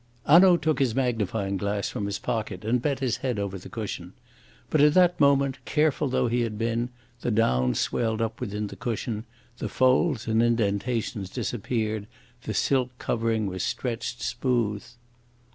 Hanaud took his magnifying glass from his pocket and bent his head over the cushion. But at that moment, careful though he had been, the down swelled up within the cushion, the folds and indentations disappeared, the silk covering was stretched smooth.